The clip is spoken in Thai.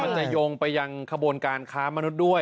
จะโยงไปยังขบวนการค้ามนุษย์ด้วย